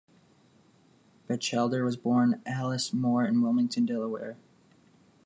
Batchelder was born Alice Moore in Wilmington, Delaware.